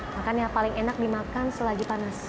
makan yang paling enak dimakan selagi panas